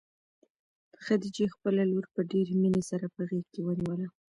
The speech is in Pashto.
خدیجې خپله لور په ډېرې مینې سره په غېږ کې ونیوله.